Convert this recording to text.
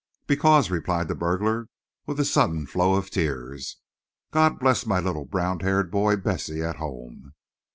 "Because," replied the burglar, with a sudden flow of tears. "God bless my little brown haired boy Bessie at home."